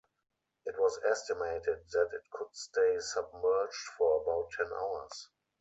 It was estimated that it could stay submerged for about ten hours.